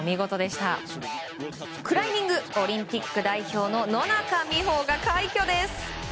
クライミングオリンピック代表の野中生萌が快挙です。